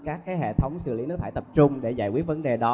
làm từ các hệ thống xử lý nước thải tập trung để giải quyết vấn đề đó